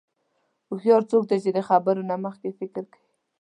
هوښیار څوک دی چې د خبرو نه مخکې فکر کوي.